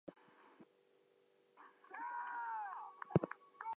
Nowadays both the belief and the custom have changed in many respects.